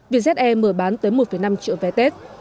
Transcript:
vì ze mở bán tới một năm triệu vé tết